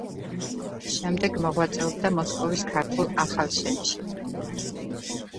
შემდეგ მოღვაწეობდა მოსკოვის ქართულ ახალშენში.